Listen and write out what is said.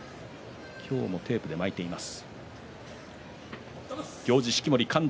今日もテープで巻いています。